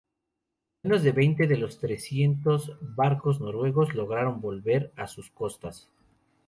Menos de veinte de los trescientos barcos noruegos lograron volver a sus costas.